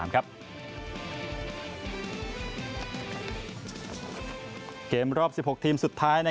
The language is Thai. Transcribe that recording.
เกมรอบ๑๖ทีมสุดท้าย